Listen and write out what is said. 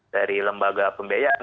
dari lembaga pembiayaan